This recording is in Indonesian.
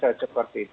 saya seperti itu